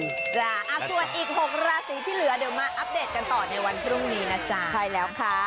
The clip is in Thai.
ส่วนอีก๖ราศีที่เหลือเดี๋ยวมาอัปเดตกันต่อในวันพรุ่งนี้นะจ๊ะใช่แล้วค่ะ